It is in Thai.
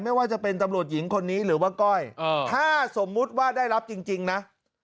ไม่ว่าจะเป็นตำรวจหญิงคนนี้หรือว่าก้อยถ้าสมมุติว่าได้รับจริงนะ